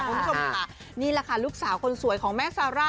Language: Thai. คุณผู้ชมค่ะนี่แหละค่ะลูกสาวคนสวยของแม่ซาร่า